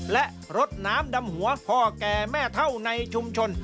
และรดน้ำดำหัวพ่อแก่แม่เท่าในชุมชน